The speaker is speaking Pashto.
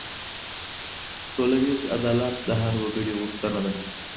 ټولنيز عدالت د هر وګړي غوښتنه ده.